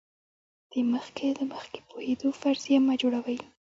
د مخکې له مخکې پوهېدو فرضیه مه جوړوئ.